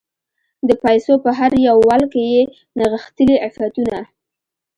د پایڅو په هر یو ول کې یې نغښتلي عفتونه